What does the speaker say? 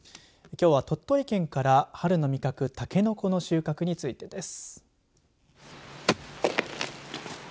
きょうは鳥取県から春の味覚タケノコの収穫についてです。